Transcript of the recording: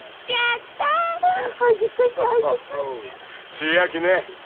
千秋ね。